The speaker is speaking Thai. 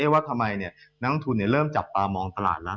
ว่าทำไมนักทุนเริ่มจับตามองตลาดแล้ว